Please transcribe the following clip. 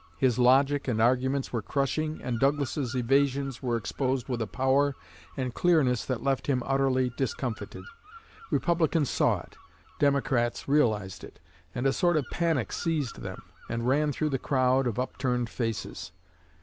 His logic and arguments were crushing, and Douglas's evasions were exposed with a power and clearness that left him utterly discomfited. Republicans saw it. Democrats realized it, and a sort of panic seized them, and ran through the crowd of upturned faces.